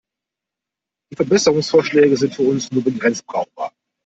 Die Verbesserungsvorschläge sind für uns nur begrenzt brauchbar.